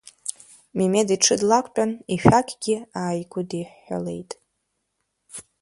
Мемед иҽы длақәтәан, ишәақьгьы ааигәыдиҳәҳәалеит.